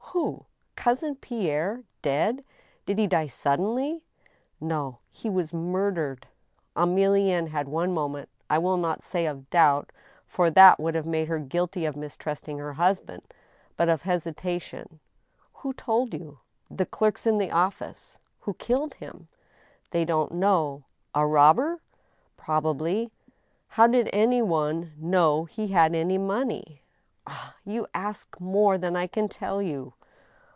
" Who ? Cousin Pierre—dead ? Did he die suddenly ?" "No; he was murdered !" Emillenne had one moment — I will not say of doubt, for that would have made her guilty of mistrusting her husband, but— of hea tation. "Who told you?" "The clerks in the office." "Who killed him?" " They don't know." "A robber?" " Probably." " How did any one know he had any money? '*" Ah ! you ask more than I can tell you."